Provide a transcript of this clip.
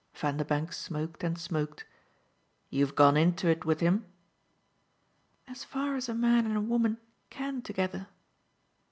Vanderbank smoked and smoked. "You've gone into it with him?" "As far as a man and a woman can together."